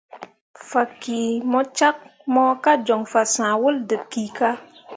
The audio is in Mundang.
Fan ki mo cak mo ka joŋ fan sãh wol dǝb kika.